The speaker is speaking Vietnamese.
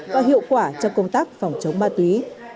và hiệu quả trong công tác phòng chống ma túy